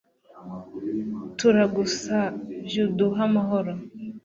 turagusavy'uduh'amahoro